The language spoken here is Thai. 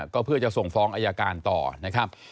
ก็เพื่อจะส่งฟ้องอายการต่อนะครับ